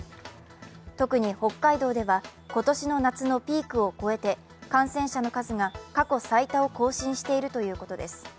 特に北海道では、今年の夏のピークを超えて感染者の数が過去最多を更新しているということです。